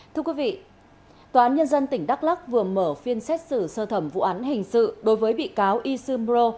thưa quý vị tòa án nhân dân tỉnh đắk lắc vừa mở phiên xét xử sơ thẩm vụ án hình sự đối với bị cáo isumro